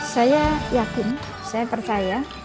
saya yakin saya percaya